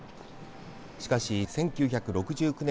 しかし１９６９年